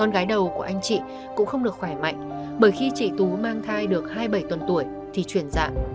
con gái đầu của anh chị cũng không được khỏe mạnh bởi khi chị tú mang thai được hai mươi bảy tuần tuổi thì chuyển dạng